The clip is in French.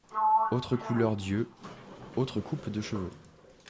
Autre couleurs d'yeux, autre coupe de cheveux.